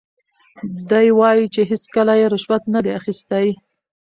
دی وایي چې هیڅکله یې رشوت نه دی اخیستی.